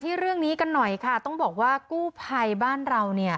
เรื่องนี้กันหน่อยค่ะต้องบอกว่ากู้ภัยบ้านเราเนี่ย